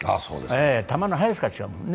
球の速さが違うもんね。